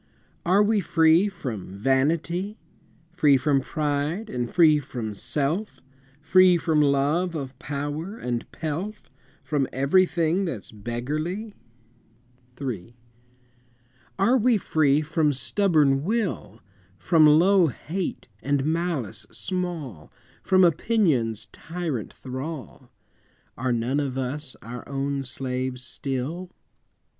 Are we free from vanity, Free from pride, and free from self, Free from love of power and pelf, From everything that's beggarly? III. Are we free from stubborn will, From low hate and malice small, From opinion's tyrant thrall? Are none of us our own slaves still?